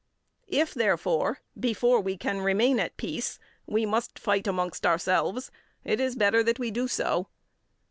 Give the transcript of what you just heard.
If, therefore, before we can remain at peace, we must fight amongst ourselves, it is better that we do so.